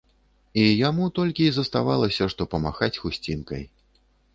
І яму толькі і заставалася, што памахаць хусцінкай.